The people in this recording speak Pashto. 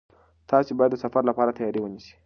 تاسي باید د سفر لپاره تیاری ونیسئ.